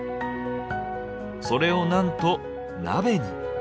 それをなんと鍋に！